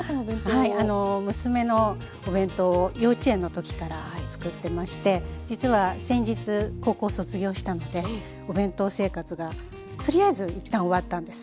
はい娘のお弁当を幼稚園の時からつくってまして実は先日高校を卒業したのでお弁当生活がとりあえず一旦終わったんです。